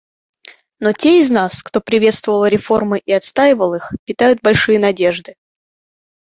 Но те из нас, кто приветствовал реформы и отстаивал их, питают большие надежды.